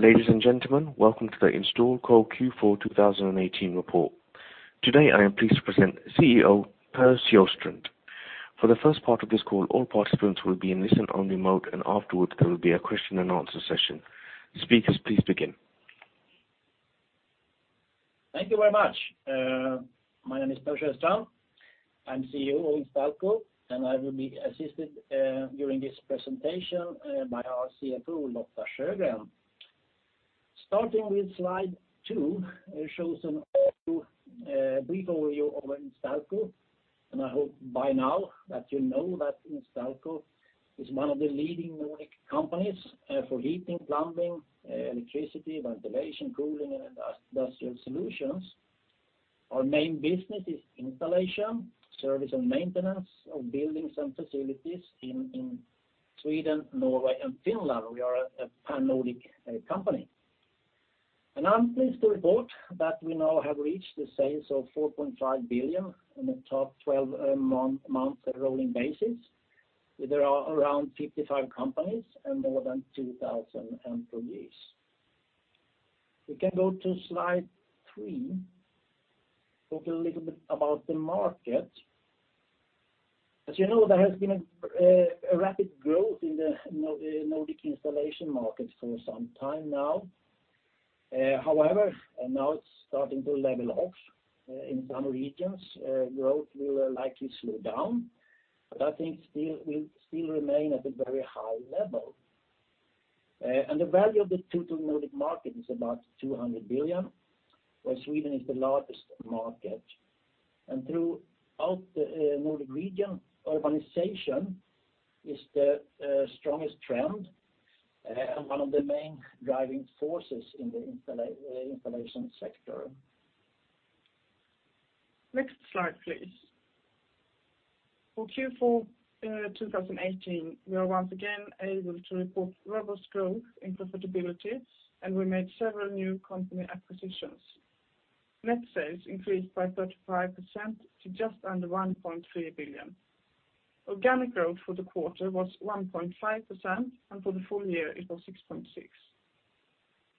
Ladies and gentlemen, welcome to the Instalco Q4 2018 report. Today, I am pleased to present CEO, Per Sjöstrand. For the first part of this call, all participants will be in listen-only mode, and afterwards, there will be a question and answer session. Speakers, please begin. Thank you very much. My name is Per Sjöstrand. I'm CEO of Instalco, and I will be assisted during this presentation by our CFO, Lotta Sjögren. Starting with slide two, it shows an overview, a brief overview of Instalco, and I hope by now that you know that Instalco is one of the leading Nordic companies for heating, plumbing, electricity, ventilation, cooling, and industrial solutions. Our main business is installation, service, and maintenance of buildings and facilities in Sweden, Norway, and Finland. We are a Pan-Nordic company. I'm pleased to report that we now have reached the sales of 4.5 billion in the top 12 months rolling basis, where there are around 55 companies and more than 2,000 employees. We can go to slide three. Talk a little bit about the market. As you know, there has been a rapid growth in the Nordic installation market for some time now. However, now it's starting to level off in some regions, growth will likely slow down, but I think still, will still remain at a very high level. The value of the total Nordic market is about 200 billion, where Sweden is the largest market. Throughout the Nordic region, urbanization is the strongest trend and one of the main driving forces in the installation sector. Next slide, please. For Q4 in 2018, we are once again able to report robust growth in profitability. We made several new company acquisitions. Net sales increased by 35% to just under 1.3 billion. Organic growth for the quarter was 1.5%. For the full-year it was 6.6%.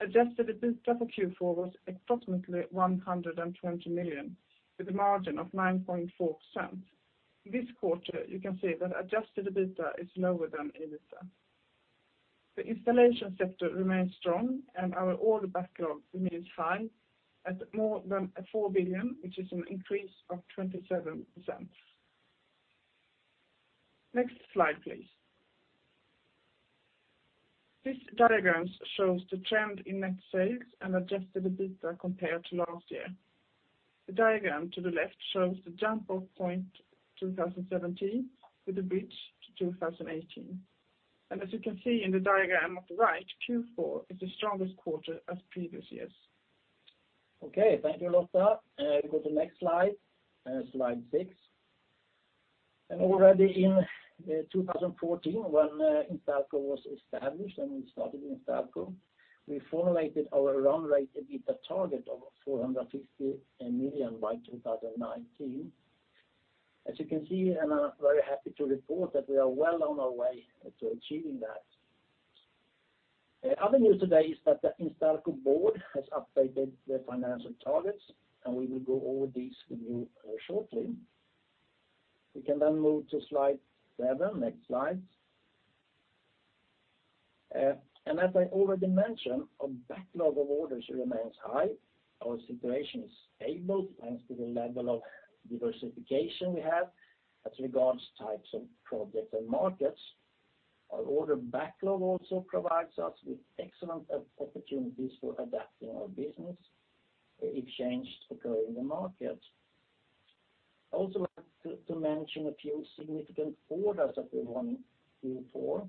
Adjusted EBITDA for Q4 was approximately 120 million, with a margin of 9.4%. This quarter, you can see that Adjusted EBITDA is lower than in this term. The installation sector remains strong. Our order backlog remains high at more than 4 billion, which is an increase of 27%. Next slide, please. This diagrams shows the trend in net sales and Adjusted EBITDA compared to last year. The diagram to the left shows the jump-off point 2017, with the bridge to 2018. As you can see in the diagram of the right, Q4 is the strongest quarter as previous years. Okay. Thank you, Lotta. Go to the next slide six. Already in 2014, when Instalco was established and we started Instalco, we formulated our run rate EBITDA target of 450 million by 2019. As you can see, and I'm very happy to report that we are well on our way to achieving that. Other news today is that the Instalco board has updated their financial targets, and we will go over these with you shortly. We can move to slide seven. Next slide. As I already mentioned, our backlog of orders remains high. Our situation is stable, thanks to the level of diversification we have as regards types of projects and markets. Our order backlog also provides us with excellent opportunities for adapting our business if changes occur in the market. Like to mention a few significant orders that we won Q4.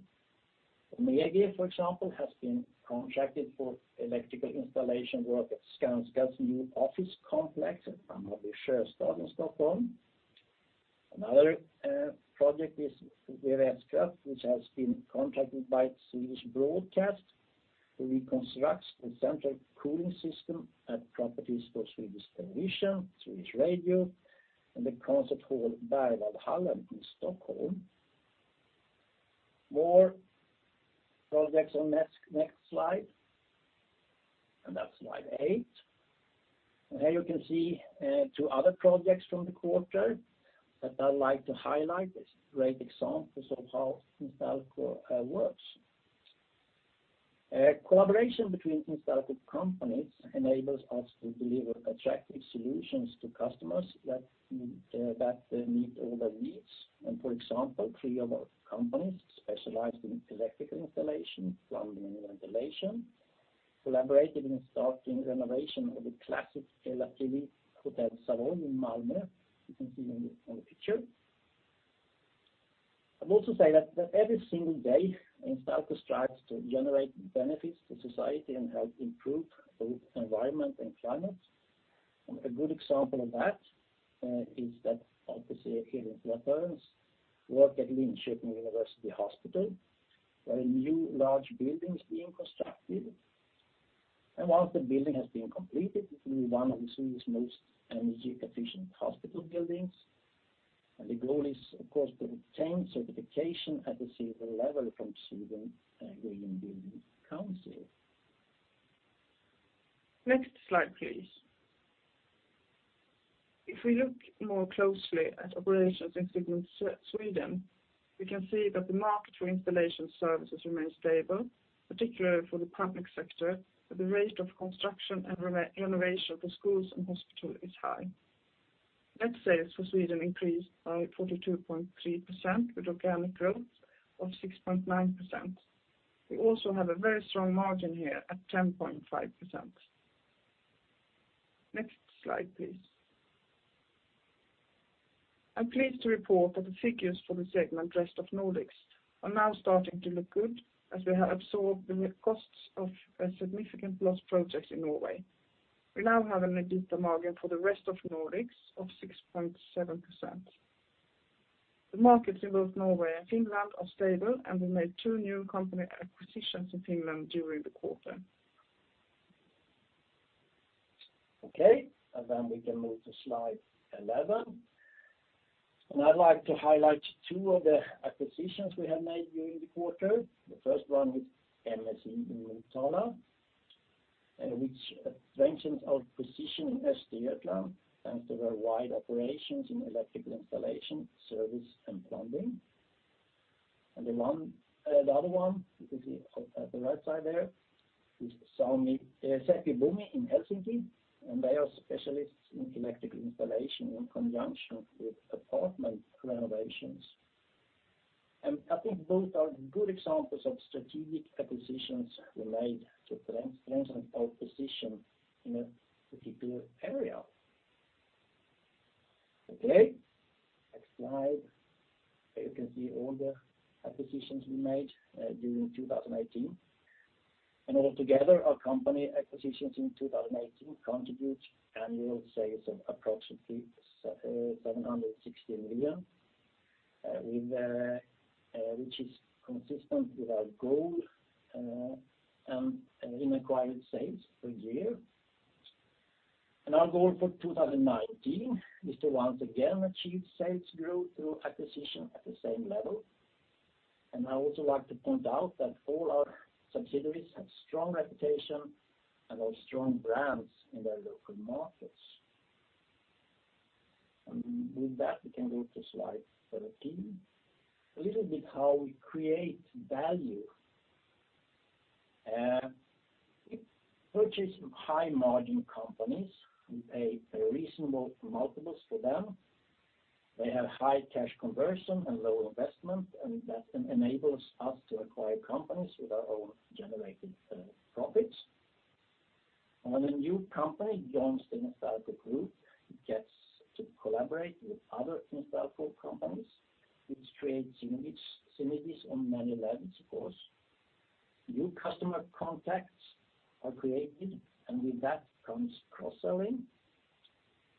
Megu, for example, has been contracted for electrical installation work at Skanska's new office complex at Hammarby Sjöstad in Stockholm. Another project is VVS-kraft, which has been contracted by Swedish Broadcast to reconstruct the central cooling system at properties for Sveriges Television, Sveriges Radio, and the concert hall, Berwaldhallen in Stockholm. More projects on next slide, and that's slide eight. Here you can see two other projects from the quarter that I'd like to highlight. It's a great example of how Instalco works. Collaboration between Instalco companies enables us to deliver attractive solutions to customers that meet all the needs. For example, three of our companies specialize in electrical installation, plumbing, and ventilation, collaborated in starting renovation of the classic Elite Hotel Savoy in Malmö, you can see in the picture. I'd also say that every single day, Instalco strives to generate benefits to society and help improve both environment and climate. A good example of that is that obviously here in [inaudible] work at Linköping University Hospital, where a new large building is being constructed. Once the building has been completed, it will be one of Sweden's most energy-efficient hospital buildings. The goal is, of course, to obtain certification at the silver level from Sweden Green Building Council. Next slide, please. If we look more closely at operations in Sweden, we can see that the market for installation services remains stable, particularly for the public sector, but the rate of construction and renovation for schools and hospital is high. Net sales for Sweden increased by 42.3%, with organic growth of 6.9%. We also have a very strong margin here at 10.5%. Next slide, please. I'm pleased to report that the figures for the segment Rest of Nordic are now starting to look good as we have absorbed the costs of a significant loss project in Norway. We now have an EBITDA margin for the Rest of Nordic of 6.7%. The markets in both Norway and Finland are stable. We made two new company acquisitions in Finland during the quarter. Okay, then we can move to slide 11. I'd like to highlight two of the acquisitions we have made during the quarter. The first one with MSI in Motala, which strengthens our position in Östergötland, thanks to their wide operations in electrical installation, service, and plumbing. The one, the other one, you can see on the right side there, is Sähkö-Buumi in Helsinki, and they are specialists in electrical installation in conjunction with apartment renovations. I think those are good examples of strategic acquisitions we made to strengthen our position in a particular area. Okay, next slide. You can see all the acquisitions we made during 2018. Altogether, our company acquisitions in 2018 contribute annual sales of approximately 760 million, with which is consistent with our goal in acquired sales per year. Our goal for 2019 is to once again achieve sales growth through acquisition at the same level. I also want to point out that all our subsidiaries have strong reputation and are strong brands in their local markets. With that, we can go to slide 13. A little bit how we create value. We purchase high-margin companies. We pay very reasonable multiples for them. They have high cash conversion and low investment, and that enables us to acquire companies with our own generated profits. When a new company joins the Instalco group, it gets to collaborate with other Instalco companies, which creates synergies on many levels, of course. New customer contacts are created, with that comes cross-selling.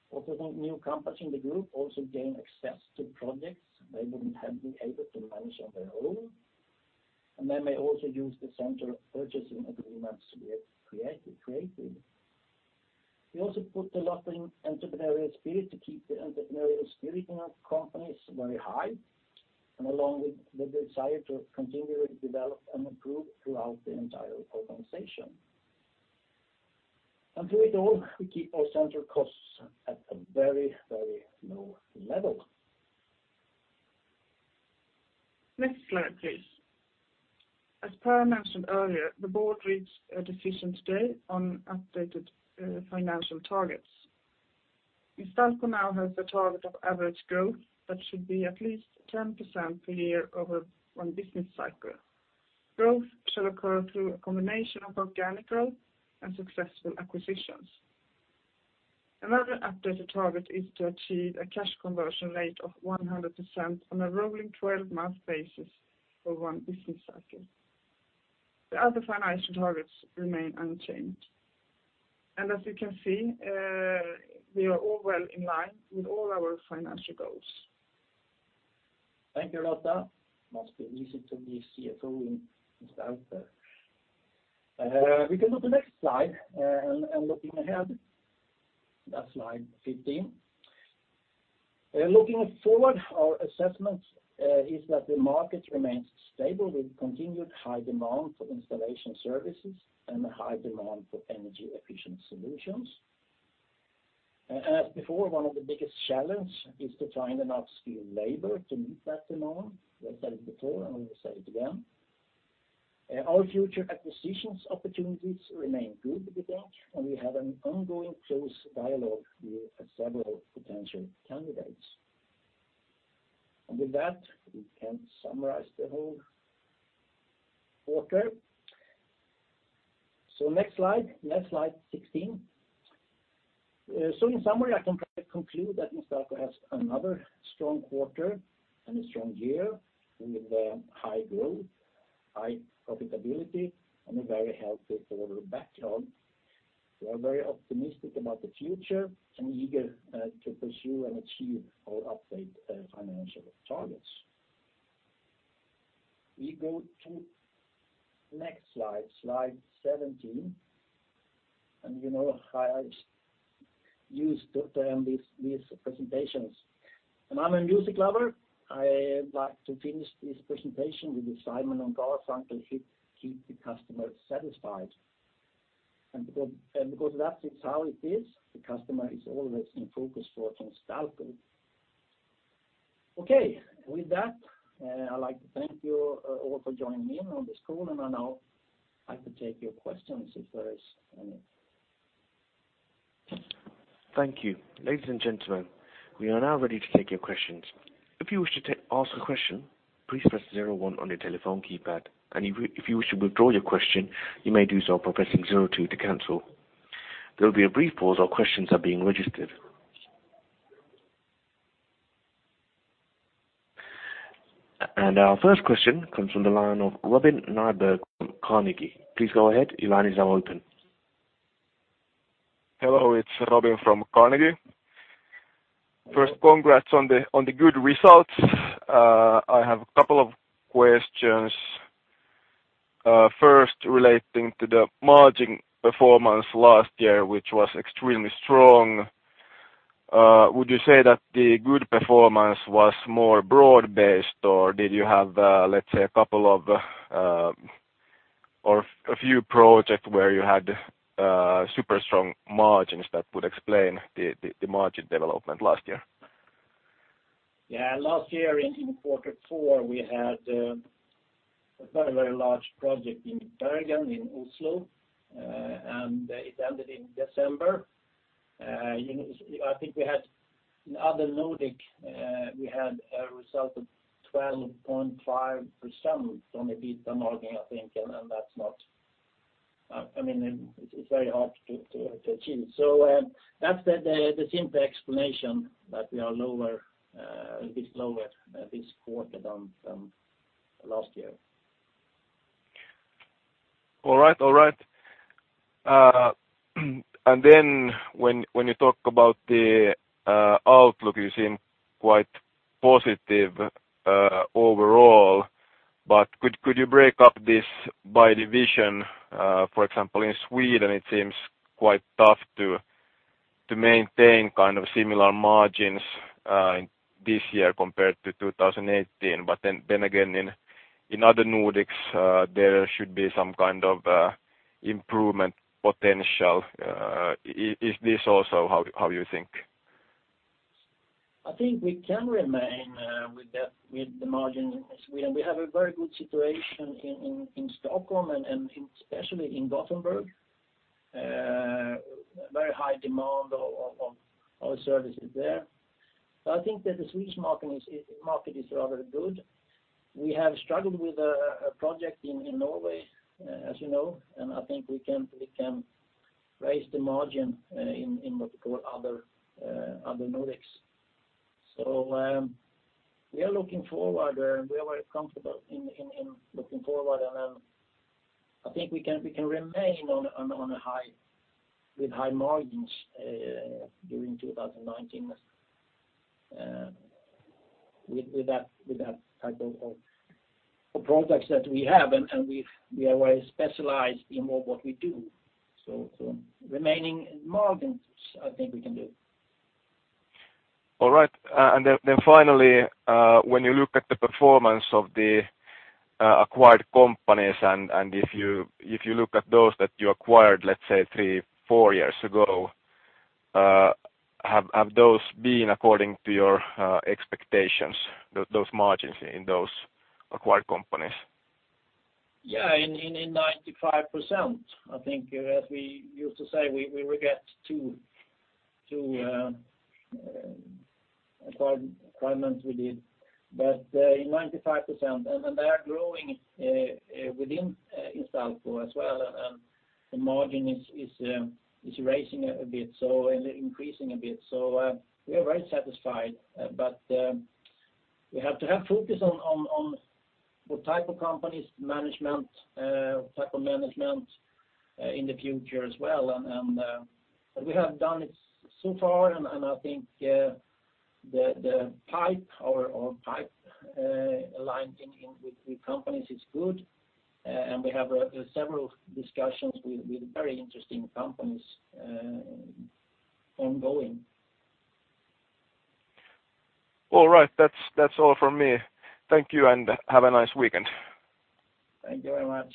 Also, new companies in the group also gain access to projects they wouldn't have been able to manage on their own, they may also use the central purchasing agreements we have created. We also put a lot in entrepreneurial spirit to keep the entrepreneurial spirit in our companies very high, along with the desire to continually develop and improve throughout the entire organization. Through it all, we keep our central costs at a very, very low level. Next slide, please. As Per mentioned earlier, the board reached a decision today on updated financial targets. Instalco now has a target of average growth that should be at least 10% per year over one business cycle. Growth shall occur through a combination of organic growth and successful acquisitions. Another updated target is to achieve a cash conversion rate of 100% on a rolling 12 month basis for one business cycle. The other financial targets remain unchanged. As you can see, we are all well in line with all our financial goals. Thank you, Lotta. Must be easy to be CFO in Instalco. We can go to the next slide, and looking ahead. That's slide 15. Looking forward, our assessment is that the market remains stable with continued high demand for installation services and a high demand for energy-efficient solutions. As before, one of the biggest challenge is to find enough skilled labor to meet that demand. We've said it before, and we will say it again. Our future acquisitions opportunities remain good, we think, and we have an ongoing close dialogue with several potential candidates. With that, we can summarize the whole quarter. Next slide, 16. In summary, I can conclude that Instalco has another strong quarter and a strong year with high growth, high profitability, and a very healthy order backlog. We are very optimistic about the future and eager to pursue and achieve our updated financial targets. We go to next slide 17. You know, I use these presentations. I'm a music lover. I like to finish this presentation with the Simon & Garfunkel, Keep the Customer Satisfied. Because that is how it is, the customer is always in focus for Instalco. Okay, with that, I'd like to thank you all for joining me on this call, and I now could take your questions if there is any. Thank you. Ladies and gentlemen, we are now ready to take your questions. If you wish to ask a question, please press zero one on your telephone keypad. If you wish to withdraw your question, you may do so by pressing zero two to cancel. There will be a brief pause while questions are being registered. Our first question comes from the line of Robin Sandberg from Carnegie. Please go ahead. Your line is now open. Hello, it's Robin from Carnegie. First, congrats on the good results. I have a couple of questions. First, relating to the margin performance last year, which was extremely strong, would you say that the good performance was more broad-based, or did you have, let's say, a couple of, or a few projects where you had super strong margins that would explain the margin development last year? Yeah, last year in quarter four, we had a very large project in Bergen, in Oslo. It ended in December. You know, I think we had in Rest of Nordic, we had a result of 12.5% on the EBITDA margin, I think, and that's not. I mean, it's very hard to achieve. That's the simple explanation that we are lower, a bit lower this quarter than last year. All right. All right. When you talk about the outlook, you seem quite positive overall, but could you break up this by division? For example, in Sweden, it seems quite tough to maintain kind of similar margins in this year compared to 2018. Then again, in Other Nordics, there should be some kind of improvement potential. Is this also how you think? I think we can remain with the margin in Sweden. We have a very good situation in Stockholm and especially in Gothenburg. Very high demand of our services there. I think that the Swedish market is rather good. We have struggled with a project in Norway, as you know, and I think we can raise the margin in what we call Rest of Nordic. We are looking forward, we are very comfortable in looking forward, and I think we can remain with high margins during 2019 with that type of products that we have, and we are very specialized in what we do. Remaining in margins, I think we can do. All right. Then finally, when you look at the performance of the acquired companies, and if you look at those that you acquired, let's say, three, four years ago, have those been according to your expectations, those margins in those acquired companies? Yeah, in 95%, I think, as we used to say, we regret two acquisitions we did. In 95%, they are growing within Instalco as well, and the margin is raising a bit, increasing a bit. We are very satisfied, but we have to have focus on what type of companies, management, type of management, in the future as well. But we have done it so far, and I think the pipe or pipeline with the companies is good, and we have several discussions with very interesting companies ongoing. All right. That's all from me. Thank you, and have a nice weekend. Thank you very much.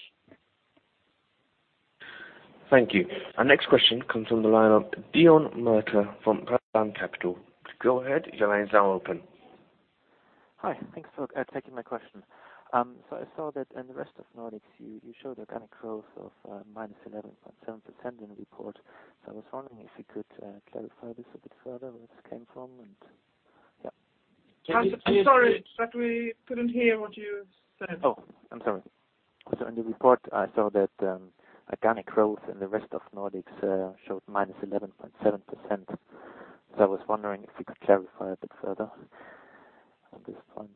Thank you. Our next question comes from the line of [inaudbile]. Go ahead, your line is now open. Hi, thanks for taking my question. I saw that in the Rest of Nordic, you showed organic growth of minus 11.7% in the report. I was wondering if you could clarify this a bit further, where this came from, and, yeah. Can you I'm sorry, but we couldn't hear what you said. Oh, I'm sorry. In the report, I saw that organic growth in the Rest of Nordic showed minus 11.7%. I was wondering if you could clarify a bit further on this point.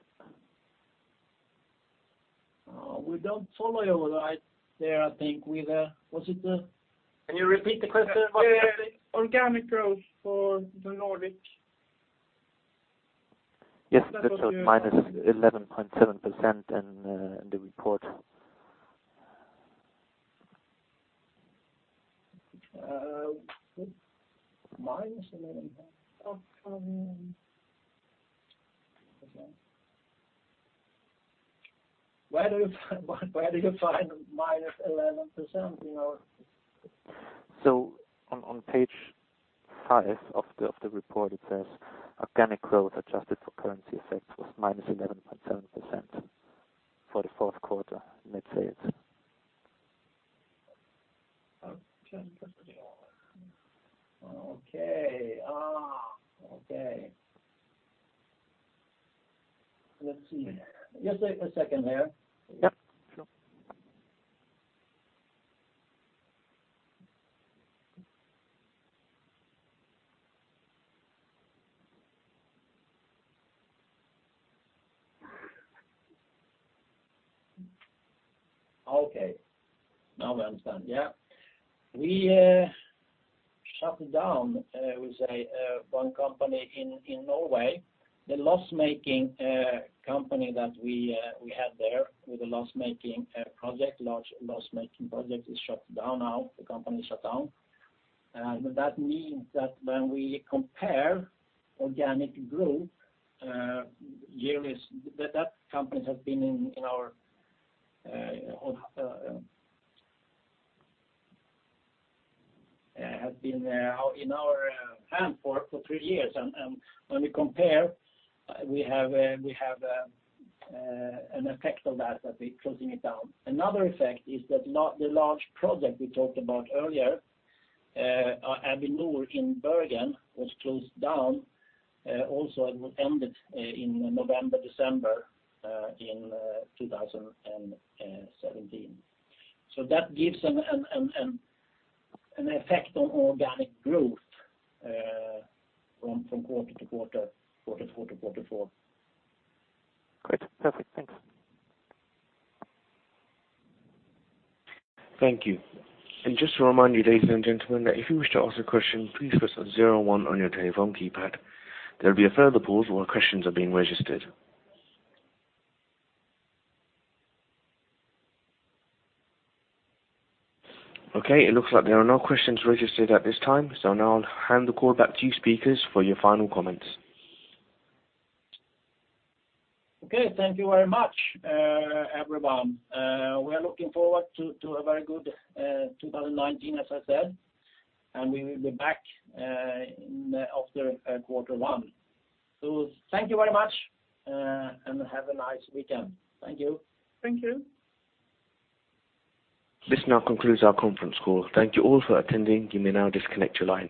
we don't follow you right there, I think. We, Was it Can you repeat the question? organic growth for the Nordic. Yes, that shows minus 11.7% in the report. -11%. Where do you find -11%, you know? On page five of the report, it says, "Organic growth, adjusted for currency effect, was -11.7% for the fourth quarter net sales. Okay, okay. Let's see. Just wait a second there. Yep, sure. Okay, now I understand. Yeah. We shut down, we say, one company in Norway, the loss-making company that we had there with a loss-making project, large loss-making project is shut down now. The company shut down. That means that when we compare organic growth yearly, that company has been in our hand for three years. When we compare, we have an effect on that we're closing it down. Another effect is that the large project we talked about earlier, Avinor in Bergen, was closed down, also it ended in November, December, in 2017. That gives an effect on organic growth from quarter-to-quarter four to quarter four. Great. Perfect. Thanks. Thank you. Just to remind you, ladies and gentlemen, that if you wish to ask a question, please press zero one on your telephone keypad. There'll be a further pause while questions are being registered. Okay, it looks like there are no questions registered at this time. Now I'll hand the call back to you speakers for your final comments. Okay, thank you very much, everyone. We are looking forward to a very good 2019, as I said. We will be back in after quarter one. Thank you very much, and have a nice weekend. Thank you. Thank you. This now concludes our conference call. Thank you all for attending. You may now disconnect your line.